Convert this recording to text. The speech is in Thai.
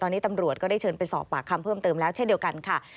ตอนนี้ตำรวจก็ได้เชิญไปสอบปากคำเพิ่มเติมแล้วเช่นเดียวกันค่ะ